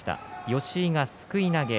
吉井すくい投げ。